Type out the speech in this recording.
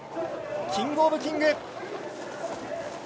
キングオブキング。